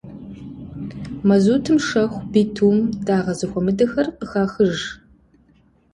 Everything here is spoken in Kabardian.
Мазутӏым шэху, битум, дагъэ зэхуэмыдэхэр къыхахыж.